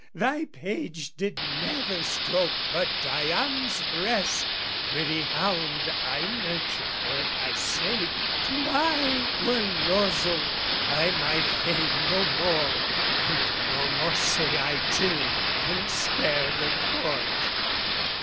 "Thy page did never stroke but Dian's breast, "The pretty hound I nurture for thy sake: "To lie were losel, by my fay, no more!" And no more say I too, and spare the Court.